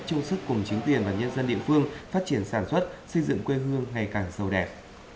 chung sức cùng chính quyền và nhân dân địa phương phát triển sản xuất xây dựng quê hương ngày càng sâu đẹp